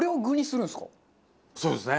そうですね。